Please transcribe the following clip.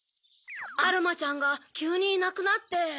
アロマちゃんがきゅうにいなくなって。